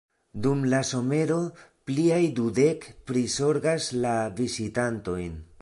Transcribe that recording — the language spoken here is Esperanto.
Dum la somero pliaj dudek prizorgas la vizitantojn.